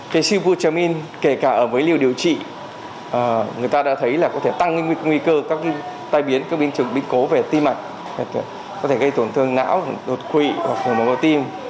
cái siêu bút chấm in kể cả với liều điều trị người ta đã thấy là có thể tăng nguy cơ các tai biến các biến trực biến cố về tim mặt có thể gây tổn thương não đột quỵ khởi mỏng của tim